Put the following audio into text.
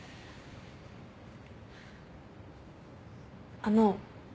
あの。